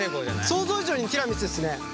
想像以上にティラミスですね。